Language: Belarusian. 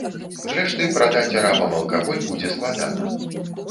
Зрэшты, прадаць арабам алкаголь будзе складана.